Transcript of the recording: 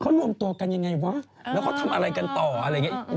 เขารวมตัวกันยังไงวะแล้วเขาทำอะไรกันต่ออะไรอย่างนี้